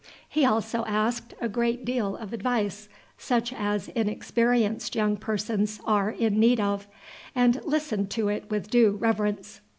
He also asked a great deal of advice, such as inexperienced young persons are in need of, and listened to it with due reverence.